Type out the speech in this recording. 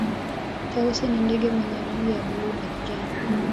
tausi ni ndege mwenye rangi ya bluu na kijani